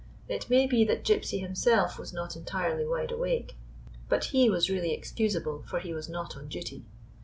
It may be that Gypsy himself was not entirely wide awake, but he was really excusable, for he was 148 IN A STRANGE LAND not on duty.